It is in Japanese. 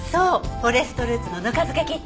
フォレストルーツのぬか漬けキット。